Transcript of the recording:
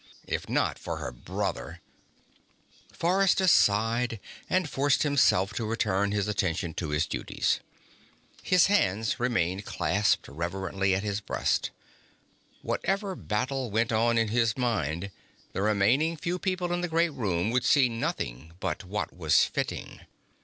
If not for her brother ... Forrester sighed and forced himself to return his attention to his duties. His hands remained clasped reverently at his breast. Whatever battle went on in his mind, the remaining few people in the great room would see nothing but what was fitting.